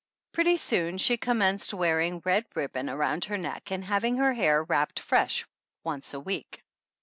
Pretty soon she commenced wearing red rib bon around her neck and having her hair wrap 90 THE ANNALS OF ANN ped fresh once a week.